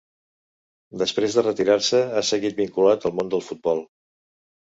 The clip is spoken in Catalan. Després de retirar-se, ha seguit vinculat al món del futbol.